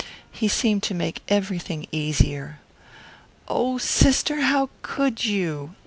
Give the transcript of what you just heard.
He seemed to make everything easier." "Oh, sister, how could you?"